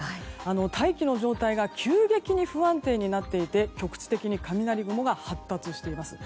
大気の状態が急激に不安定になっていて局地的に雷雲が発達しています。